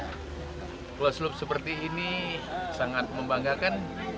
kulon slup seperti ini sangat membanggakan